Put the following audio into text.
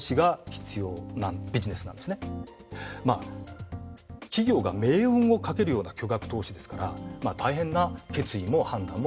まあ企業が命運をかけるような巨額投資ですから大変な決意も判断もいるわけです。